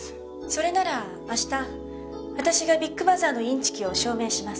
それなら明日私がビッグマザーのインチキを証明します。